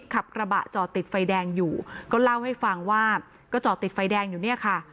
ขับกระบะจอดติดไฟแดงอยู่ก็เล่าให้ฟังว่าก็จอดติดไฟแดงอยู่เนี่ยค่ะ